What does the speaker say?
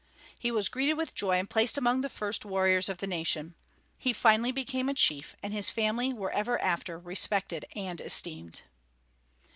He was greeted with joy and placed among the first warriors of the nation. He finally became a chief, and his family were ever after respected and esteemed.